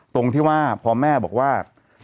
ตรงที่ว่าพอแม่บอกว่า